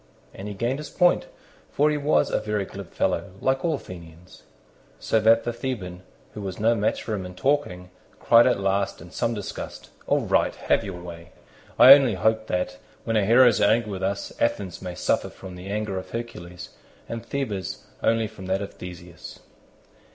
And he gained his point, for he was a very glib fellow, like all Athenians; so that the Theban, who was no match for him in talking, cried at last in some disgust, "All right, have your way; I only hope that, when our heroes are angry with us, Athens may suffer from the anger of Hercules, and Thebes only from that of Theseus."